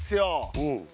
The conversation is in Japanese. うん。